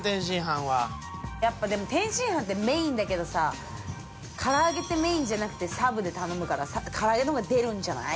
やっぱでも天津飯ってメーンだけどさ唐揚ってメーンじゃなくてサブで頼むからさ唐揚の方が出るんじゃない？